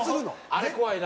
あれ怖いな。